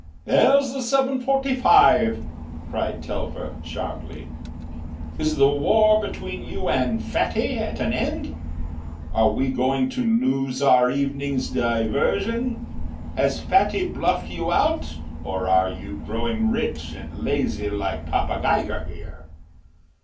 “There’s the seven forty five,” cried Telfer, sharply. “Is the war between you and Fatty at an end? Are we going to lose our evening’s diversion? Has Fatty bluffed you out or are you growing rich and lazy like Papa Geiger here?